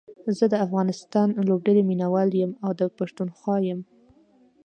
زه دا افغانستان لوبډلې ميناوال يم او دا پښتونخوا يم